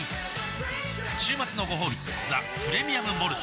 週末のごほうび「ザ・プレミアム・モルツ」